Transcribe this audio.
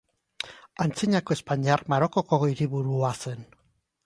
Antzinako Espainiar Marokoko hiriburua zen.